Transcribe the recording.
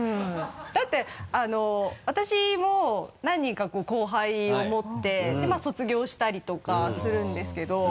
だって私も何人か後輩を持ってでまぁ卒業したりとかするんですけど。